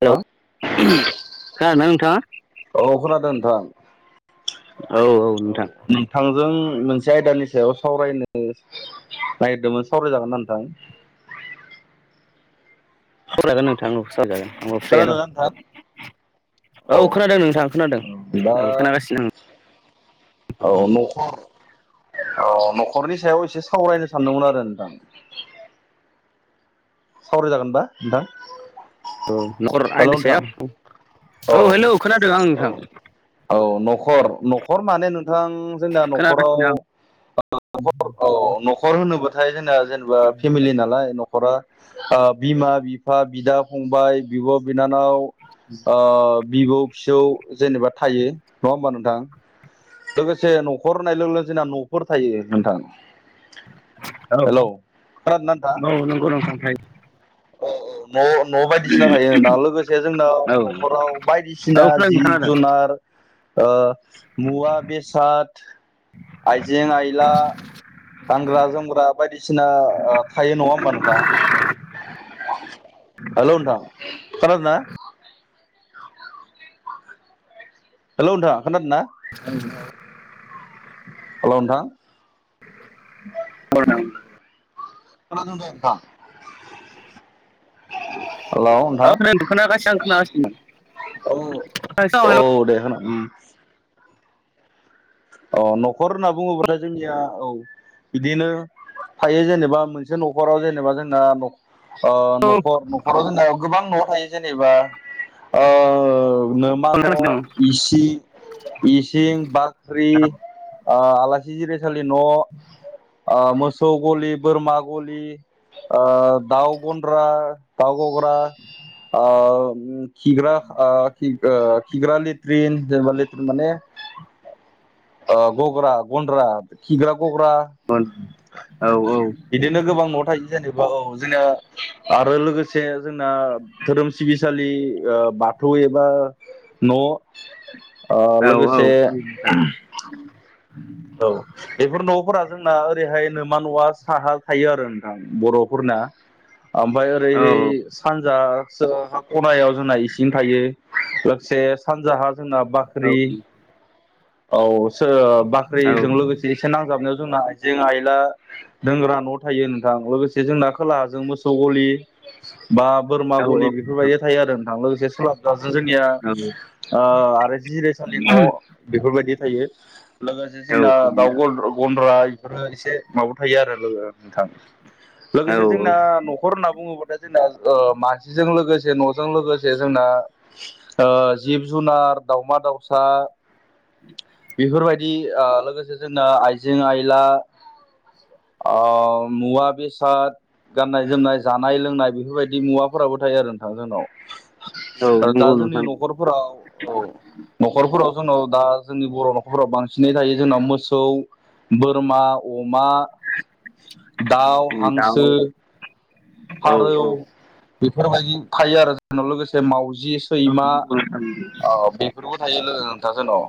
Hello नोंथां खोनादोंना नोंथाङा औ खोनादों नोंथां औ औ नोंथां जों मोनसे आयदानि सायाव सावरायनो नागिरदोंमोन सावरायजागोन ना नोंथां [inaudible] सावरायजागोन नोंथां औ सावरायजागोन आंबो फ्रियानो खोनादोंना नोंथां दं औ खोनादों नोंथाङा खोनादों दा औ खोनागासिनो आं औ नख'र औ न'खरनि सायाव एसे सावरायनो सानदोंमोन आरो नोंथां सावरायजागोनबा नोंथां औ न'खर हेलौ आयदानि नोंथां सायाव औ हेलौ खोनादों आं औ नोंथां औ नख' खर न'खर माने नोंथां जोंना न'खराव खोनागासिनो आं औ न'खर होनोब्लाथाय जोंना जेनेबा फेमिलि नालाय न'खरा ओ बिमा बिफा बिदा फंबाय बिब' बिनानाव ओ बिबौ फिसौ जेनेबा थायो नङा होमबा नोंथां लोगोसे न'खर होननाय लोगो लोगो जोंना न'फोर थायो नोंथां औ हेलौ खोनादों ना नोंथां नंगौ नोंथां थारैनो औ औ न' न' सिना थायो आरो ना लोगोसे औ जोंनाव न'खराव औ बायदिसिना खोनादों जिब खोनादों जुनार मुवा बेसाद आइजें आइला गानग्रा जोमग्रा बायदिसिना थायो नङा होमबा नोंथां हेलौ नोंथां खोनादों ना हेलौ नोंथां खोनादों ना [inaudible] हेलौ नोंथां [unintelligible] खोनादों दे नोंथां हेलौ नोंथां औ खोनागासिनो आं खोनागासिनो औ औ हेलौ दे औ नख'र होनना बुङोब्लाथाय जोंनिया औ बिदिनो थायो जेनेबा मोनसे न'खराव जेनेबा जोंना नख'र नख'राव जेन गोबां नआव थायो जेनेबा ओ नोमा न खोनागासिनो इसि इसिं बाख्रि आं। आलासि जिरायसालि न' आ मोसौ गलि बोरमा गलि ओ दाउ गनद्रा दाव गग्रा आ खिग्रा खिग्रा लेट्रिन जेनेबा लेट्रिन माने गग्रा गन्द्रा खिग्रा ग्रा औ बिदिनो गोबां न थायो जेनेबा औ जोङो आरो लोगोसे जोंना धोरोम सिबिसालि बाथौ एबा न' लोगोसे उम औ बेफोर नफोरा जोंना ओरैहायनोमा नुवा साहा थायो आरो नोंथां बर'फोरना ओमफ्राय औ ओरैहाय सानजा खनायाव जोंना इसिं थायो लोगोसे सानजाहा जोंना औ बाख्रि औ सोर औ साख्रिजों लोगोसे एसे नांजाबनो जोंना आइजें आइला दोंग्रा न थायो नोंथां लोगोसे जोंना खोलाहाजों मोसौ गलि बा बोरमा नोंथां गलि बेफोरबायदि थायो आरो नोंथां लोगोसे सुलाब दा जोंनिया आरो जि जिराय साननि न बेफोरबायदि थायो लोगोसे औ जोंना औ दाउ गन्द्रा बेफोरो एसे माबा थायो आरो लोगो नोंथां। औ लोगोसे जोंना नखर होनना बुङोबाथाय ओ जोंना मानसिजों लोगोसे नजों लोगोसे जोंना ओ जिब जुनार दाउमा दाउसा बेफोरबायदि ओ लोगोसे जोंना आइजें - आयला आ मुवा बेसाद गाननाय जोमनाय जानाय लोंनाय बेफोरबायदि मुवाफोराबो थायो आरो नोंथां औ जोंनाव। दा नंगौ जोंनि नोंथां नखरफोराव नखरफोराव जोंनाव दा जोंनि बर नखरफोरााव बांसिनै थायो जोंनााव मोसौ बोरमा, अ मा, दाउ, उम दाउ हांसो, औ औ फारौ बेफोरबायदि थायो आरो जोंनाव लोगोसे माव जि औ सैमा नंगौ नोंथां बेफोरबो थायो लोगो नोंथास न'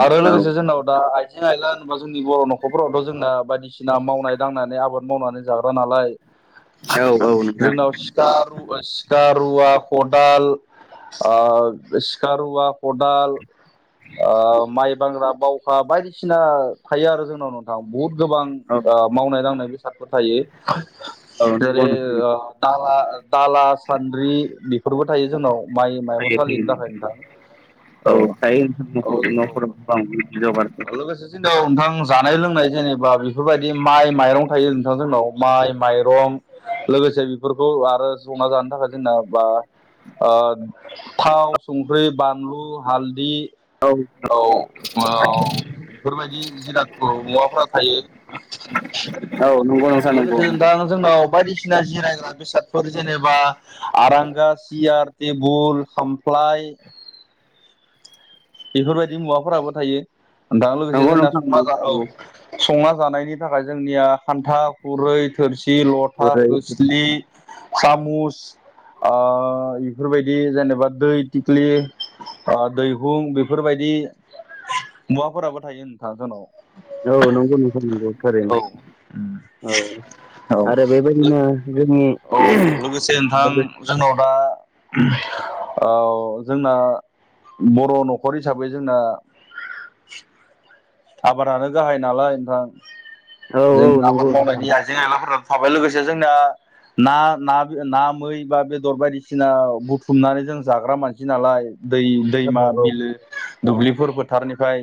आरो औ लोगोसे जोंनाव दा आइजें आइला होनबा जोंनि बर न'खरफोरावथ जोंना बायदिसिना मावनाय दांनानै आबाद मावनानै जागा बो नालाय औ औ नोंथां जोंनाव सिु सिखा - रुवा खदाल आ सिखा - रुवा, खदाल आ माइ बांग्रा बावखा बायदिसिना थायो आरो जोंनाव नोंथां बुहुत गोबां औ मावनाय दांनाय बेसादफोर थायो। औ नंगौ जेरै नोंथां दाला दाला सान्द्रि बेफोरबो थायो जोंनाव माइ माइरं थायो थायो सलिनि थाखाय नोंथां। औ थायो नखर नखर गोबां अलगासेसे नोंथां जानाय लोंनाय जेनेबा बेफोरबायदि माइ माइरं थायो नोंथां जोंनाव माइ माइरं लोगोसे बेफोरखौ आरो जंना जानो थाखाय जोंना बा थाव, संख्रि, बानलु, हालदि औ औ। बेफोरबायदि जिरादखौ मुवाफोरा थायो। नंगौ नोंथां नंगौ लोगोसे नंगौ नोंथां जोंनाव बायदिसिना जिरायग्रा बेसादफोर जेनेबा आरांगा सियार तेबुल क्लाइ बेफोरबायदि मुवाफोराबो थायो दा लोगोसे नंगौ जोंना नोंथां संना नंगौ औ नंगौ संना जानायनि थाखाय जोंनिया खान्था खुरै थोर सि, लथा, ओरै खोस्लि, सामुस ओ बेफोरबायदि जेनेबा दै थिख्लि ओ दै [unintelligible] बेफोरबायदि मुवाफोराबो थायो नोंथां जोंनाव औ नंगौ नोंथां नंगौ थारैनो औ औ आरो औ बेबायदिनो जोंनि बा ओ जोंना बर' न'खर हिसाबै जोंना आबादानो गाहाय नालाय नोंथां औ जों औ आबाद नंगौ नोंथां मावनायनि आइजें आइलाफोरा थाबाय लोगोसे जोंना ना ना ना मै बा बेदर बायदिसिना बुथुमनानै जों जाग्रा मानसि नालाय दै औ दैमा औ बिलो दुब्लिफोर फोथारनिफ्राय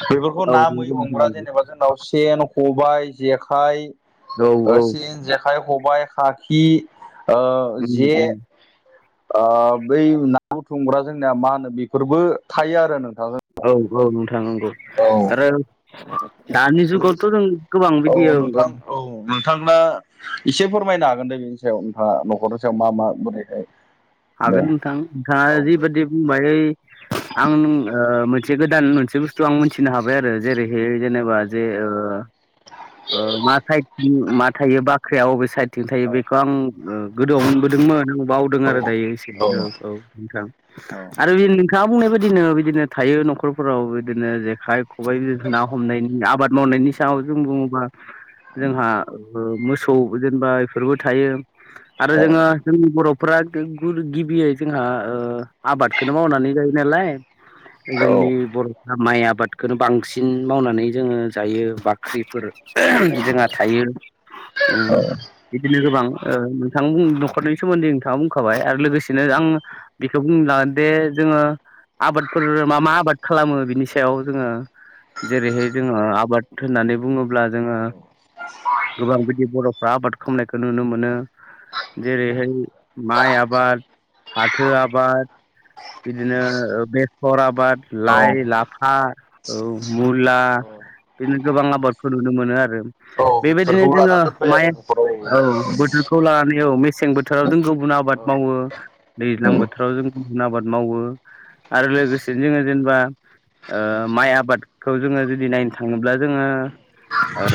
बेफोरखौ औ ना मै नंगौ नोंथां हमग्रा नंगौ जेनेबा जोंनाव सेन, खबाइ, जेखाइ, औ औ ओ सिन, जेखाइ, खबाइ, खाखि ओ उम जे उम ओ बै ना बुथुमग्रा जोंनिया मा होनो बेफोरबो थायो आरो नों औ औ नोंथांं नंगौ आरो दानि लोगोसे जुगावथ' जों गोबां औ बिदि ओं ओं नोंथां औ। नोंथांना एसे फोरमायनो हागोन दे बेनि सायाव नोंथाङा न'खरनि सायाव मा मा बोरैहाय दे हागोन नोंथां नोंथाङा औ दे जिबायदि बुंबाय ओइ आं ओ मोनसे गोदान मोनसे बुस्थु आं मोनथिनो हाबाय आरो जेरै बे औ जेनेबा जे ओ मा ताइपनि मा थायोबा साख्रिया बबे साइथिं थायो औ बेखौ ओ गोदोआवबो औ मोनबोदोंमोन आं बावदों आरो दायो एसे औ औ नोंथां आरो बे नोंथाङा बुंनाय बायदिनो बिदिनो थायो न'खरफोराव बिदिनो जेखाइ खबाइ, बिदिर ना हमनायनि आबाद मावनायनि सायाव जों बुङोबा जोंहाबो मोसौ जेनेबा बेफोरबो थायो आरो जोङो जोंनि बर' फ्रा गिबियै जोंहा आबादखौनो मावनानै जायो नालाय औ औ जोंनि बर'फ्रा माइ आबाद खोनो बांसिन मावनानै जोङो जायो बाख्रिफोर जोंहा थायो उम बिदिनो गोबां नोंथां नखरनि सोमोन्दै नोंथाङा बुंखाबाय आरो लोगोसेनो आं बेखौ बुंनो लागोन दे जोङो आबादफोर मा मा आबाद खालामो बिनि सायाव जोङो जेरैहाय जोङो आबाद होननानै बुङो ब्ला जोङो गोबां बिदि बर'फ्रा आबाद खामनायखौ नुनो मोनो जेरैहाय माइ आबाद फाथो आबाद बिदिनो ओ बेसर आबाद लाइ लाफा औ मुला बिदिनो गोबां आबादखौ नुनो मोनो आरो बेबायदिनो बेफोरखौ जोङो लाना दोनफायो माइ आरो न'खराव औ बो थोरखौ लानानै औ मेसें बोथोराव जों गुबुन आबाद मावो दैज्लां बोथोराव जों गुबुन आबाद मावो आरो लोगोसेनो जोङो जेनबा ओ माइ आबादखौ जोङो जुदि नायनो थाङोब्ला जोङो ओ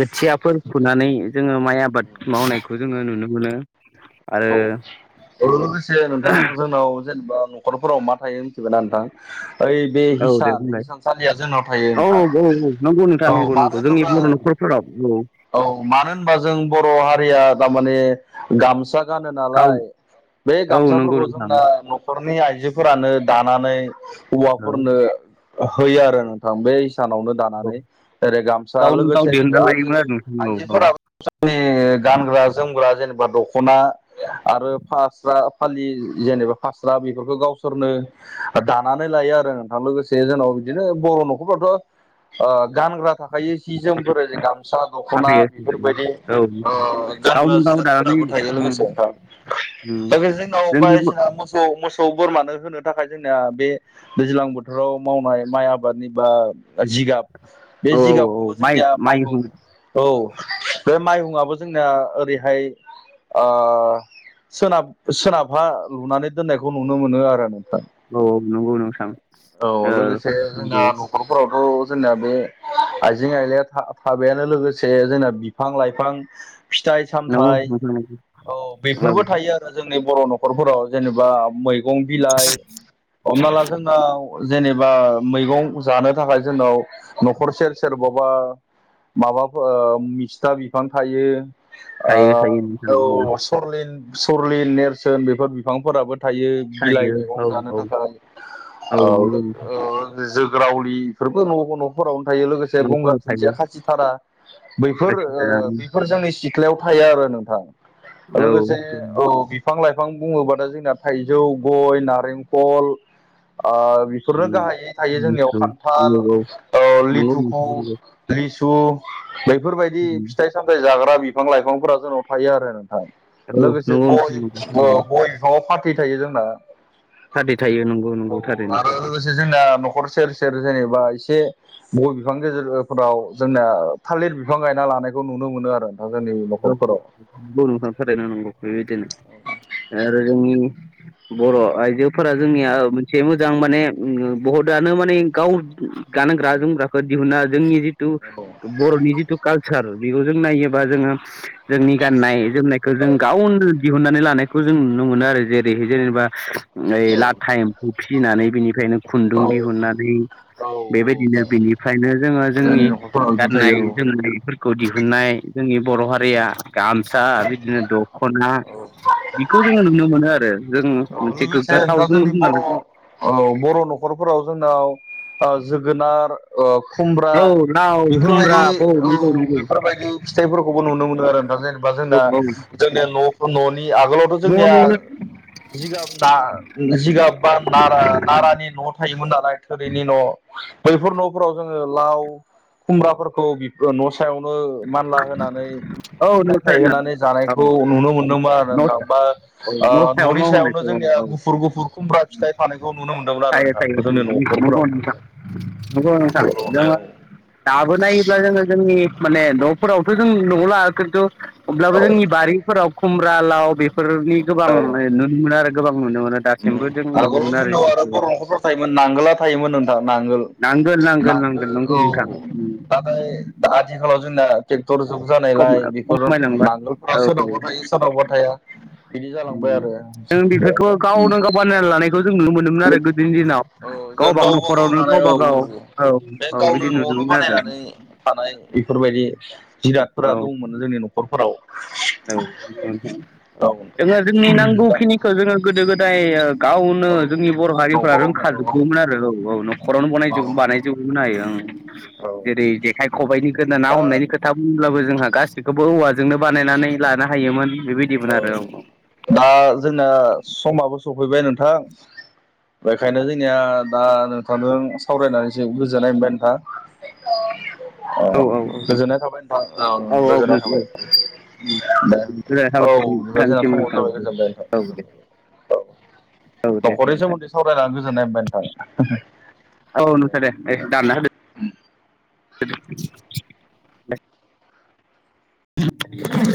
खोथियाफोर फुनानै जोङो माइ आबाद मावनायखौ जोङो नुनो मोनो आरो बे लोगोसे नोंथां जोंनाव जेनबा न'खरफोराव मा थायो मिथिगौना नोंथां? ओइ बे औ दे हिसान बुंलाय हिसानसालिया जोंनाव थायो औ नोथां औ औ मानो होनोबा। फोरा‌ औ। औ मानो होनबा जों बर' हारिया थारमाने गामसा गानो गाव नालाय। बे औ नंगौ गामसाफोरखौ नोंथां जोंना न'खरनि आइजोफोरानो दानानै। औ हौवाफोरनो होयो आरो नोंथां बैस। सानावनो औ दानानै ओेरै गामसा गावनो गाव लोगोसे दिहुनना आइजो लायोमोन आइजोफोराबो। ओ गानग्रा जोमग्रा जेनेबा दख'ना आरो फास्ट। फास्रा फालि जेनेबा फास्रा बेफोरखौ गावसोरनो दानानै लायो आरो नोंथां लोगोसे। जोंनाव बिदिनो बर' न'खरफोरथ' ओ गानग्रा थाख। थाखायो जिस जोमफोर गामसा दख'ना बेफोरबायदि आरो नोंथां औ बाहायो औ ओ गानग्रा गावनो गाव दानानै जिरादफोराबो। थायो‌ उम लोगोसे नोंथां उम जोंनाव दा बे जोंनाव जोंनि ब बायदिसिना मोसौ। मोसौ बोरमानो होनो थाखाय जोंनिया बे दैज्लां बोथोराव मावनाय माइ आबादनि बा। जिगाब बे औ औ औ जिगाबखौबो माइ जोंनिया माइहुं औ बे माइहुआबो। जोंनाया ओरैहाय ओ सोनाब। सोनाबहा लुनानै दोननायखौ नुनो मोनो आरो नों। औ औ नंगौ नोंथां औ ओ लोगोसे जोंना नंगौ न'खरफोराव औ जोंना बो। आइजें आइलाया थाबायानो लोगोसे जोंना बिफां लाइफां। फिथाइ नंगौ सामथाइ नोंथां नंगौ औ बेफोरबो औ थायो आरो। जोंनि बर' न'खरफोराव जेनेबा मैगं बिलाइ हमना ला जोंनाव। जेनेबा मैगं जानो थाखाय जोंनाव न'खर सेर सेरबाव। बा माबाफोर मिस्था बिफां थायो। थायो थायो नोंथां औ औ सरलिन सरलिन नेरसोन बेफोर बिफांफोराबो। थायो बिलाइ थायो मैंगं औ जानो औ थाखाय औ ओ नंगौ जोब। रावलिफोरबो न'बो न'फोराव। थायो लोगोसे गंगार न'फोराव दुुनदिया थायो खासि थारा बैफोर खासि ओ दानानै बिफोर जोंनि सि सिथ्लायाव थायो आरो नोंथां। औ। लोगोसे औ बिफां लाइफां बुङोबा थाय जोंना थाइजौ गय नारेंखल। ओ बेफोरनो गाहायै थायो जोंनियाव नंगौ खान्थाल नंगौ औ ओ नंगौ लिथुखु नोंथां नंगौ लिस बैफोरबायदि उम फिथाइ सामथायाइ जाग्रा बिफां लाइफांफोरा जोंनाव थायो आरो। ओ औ लोगोसे नंगौ नोंथां गय नंगौ ओ थारैनो गयफ्राव फाथै थायो जोंना। थारै थायो नंगौ औ नंगौ थारैनो आरो लोगोसे जोंना न'खर सेर सेर जेनेबा इसे गय बिफां गेजेरफोराव जोंना थालिर बिफां गायना लानायखौ नुनो मोनो आरो। नोंथां जोंनि न'खरफोराव औ नोंथां थालिर बिफांखौ गायो गेजेर गेजेर आरो [unintelligible] [inaudible] बर' आइजोफोरा जोंनिया मोनसे मोजां माने बहुतानो माने गाव गानग्रा जोमग्राखौ दिहुनना जोंनि जि थु औ बर'नि जिथु कालसार बेखौ जों नायोबा जोङो जोंनि गाननाय जोमनायखौ औ जों गावनो दिहुननानै लानायखौ जों नुनो मोनो आरो जेरै जेनेबा इ लाथा नोंथां एम्फौ फिसिनानै बिनिफ्रायनो औ खुन्दुं दिहुननानै औ बेबायदिनो नोंथां बिनिफ्रायनो जोङो जोंनि न'खरफोराव बेफोर गाननाय थायो औ जोमनायफोरखौ दिहुन मोननाय जोंनि बर' हारि या गामसा बिदिनो दख'ना बिखौ जोङो नुनो मोनो आरो जों मोनसे लोगोसे गोग्गाथाव दा जों जोंनि बर होननानै ओ बर' न'खरफोराव जोंनाव ओ जोगोनार ओ खुमब्रा औ लाव खुमब्रा बेफोरबायदि औ नंगौ बेफोरबायदि फिथाइफोरखौबो नुनो मोनो आरो दा जेनेबा जोंना नंगौ जोंनिया न' न'नि आगोलावथ' औ जोंनिया न' जिगाब बा जिगाब बा नारा नारानि न' थायोमोन नालाय थोरिनि न'। बैफोर न'फोराव जोङो लाव खुमब्राफोरखौ बि न' स फिथाइयावनो मानला होनानै फिथाइ थाइहोनानै जानायखौ नुनो मोनदोंमोन आरोना। ओ न'नो औ न' ननि थारैनो सा औ न' सायावनो औ न' सायाव न' जोंनिया होननायखौ औ गुफुर गुफुर खुमब्रा फिथाइ फानायखौ नुनो मोन्दोंमोन आरो थायो थायो नोंथां जोंनि नंगौ न'खरफोराव। नोंथां नंगौ नोंथां आगोलावहाय जोङो औ दाबो नायोब्ला जोङो जोंनि माने न'फोरावथ' जों न'आव ला खिन्थु अब्लाबो जोंनि औ बारिफोराव खुमब्रा लाव बे फोरनि गोबां औ नुनो मोनो आरो गोबां नुनो मोनो दासिमबो जों नुनो आगोलाव मोनो जोंनाव आरो बेफोरखौ बर' न'खरफोराव थायोमोन नांगोला थायोमोन नोंथां नांगोल। नांगोन नांगोन नांगोल नांगोन नंगौ औ नोंथां नाथाय आथिखालाव जोंना तेक थर जुग जानायलाय बेफोर खमायलांबा नांगोलफोरा सोरनावबा थायो सोरनावबा थाया। बिदि जालांबाय आरो जों बेफोरखौ गावनो गाव बानायना लानायखौ जों नुनो मोनोमोन आरो गोदोनि दिनाव औ जों गावबा गाव न'खरावनो लानाय गावबा औ गाव। औ बे औ गावनो बिदि न'आवनो नुदोंमोन आरो। बानायनानै फोर औ दंमोन जोंनि न'खरफोराव। औ औ जोङो जोंनि दा नांगौखिनिखौ जोङो गोदो गोदाय ओ गावनो औ जोंनि बर' हारिफ्रा न'खरावनो औ रोंखाजोगौमोन आरो औ औ न'खरावनो बनाय औ बानायजोबोमोन हायो। औ जेरै जेखाइ खबाइनि गोदो ना दा हमनायनि खोथा बुंब्लाबो जोंहा गासिखौबो औवा जोंनो बानायनानै लानो हायोमोन बेबायदिमोन औ आरो। दा जोंना समाबो सफैबाय नोंथां। बेखायनो जोंनिया दा नोंथांजों सावरायनानैसो गोजोननाय मोनबाय नोंथां। औ गोजोननाय थाबाय नोंथां औ गोजोननाय थाबाय। औ बिब जोंना समाव जाबाय गोजोनबाय नोंथां औ दे औ न'खरनि दे सोमोन्दै सावरायनानै गोजोननाय मोनबाय नोंथां। औ नोंथां दे ए दानना होदो। [unintelligible]